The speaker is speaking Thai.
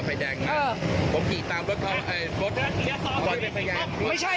มึงถึงไม้ลงมาใหม่ดีกว่า